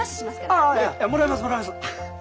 ああもらいますもらいます。